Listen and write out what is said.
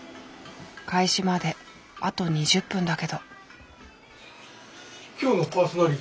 開始まであと２０分だけど。